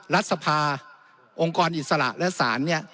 รัฐสภาองค์กรอิสระและศาล